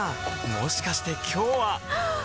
もしかして今日ははっ！